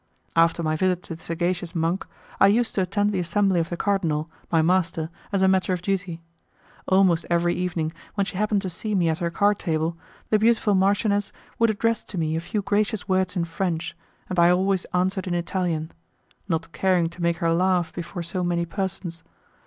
After my visit to the sagacious monk, I used to attend the assembly of the cardinal, my master, as a matter of duty. Almost every evening, when she happened to see me at her card table, the beautiful marchioness would address to me a few gracious words in French, and I always answered in Italian, not caring to make her laugh before so many persons.